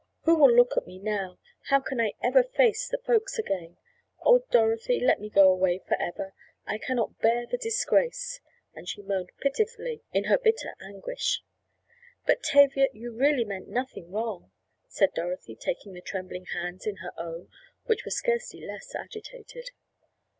"Who will look at me now? How can I ever face the folks again? Oh, Dorothy, let me go away forever! I can not bear the disgrace!" and she moaned pitifully in her bitter anguish. "But, Tavia, you really meant nothing wrong," said Dorothy taking the trembling hands in her own which were scarcely less agitated.